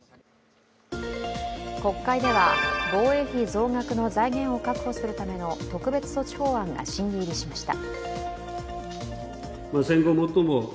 国会では防衛費増額の財源を確保するための特別措置法案が審議入りしました。